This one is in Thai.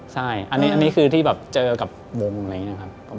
ใช่อันนี้คือที่แบบเจอกับวงอะไรอย่างนี้ครับ